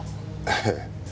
ええ。